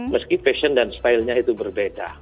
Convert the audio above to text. meski fashion dan stylenya itu berbeda